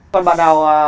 còn bạn nào